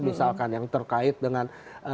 misalkan yang terkait dengan